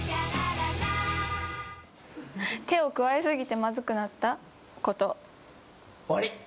手を加え過ぎてまずくなったこと。